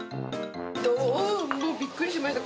もうびっくりしました。